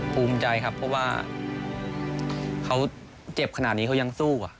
ภูมิใจครับเพราะว่าเขาเจ็บขนาดนี้เขายังสู้